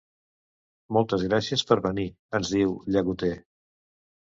Moltes gràcies per venir —ens diu, llagoter—.